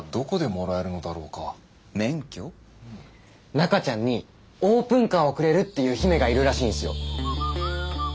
中ちゃんにオープンカーをくれるっていう姫がいるらしいんすよ。